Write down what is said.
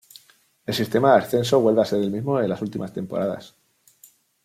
El sistema de ascenso vuelve a ser el mismo de las últimas temporadas.